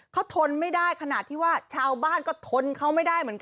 เขาทนไม่ได้ขนาดที่ว่าชาวบ้านก็ทนเขาไม่ได้เหมือนกัน